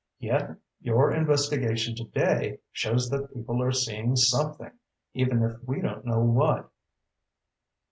Yet, your investigation today shows that people are seeing something, even if we don't know what."